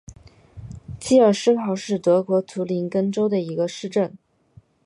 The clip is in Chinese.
基尔施考是德国图林根州的一个市镇。